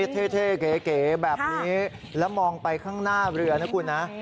เท่เก๋แบบนี้แล้วมองไปข้างหน้าเรือนะคุณนะ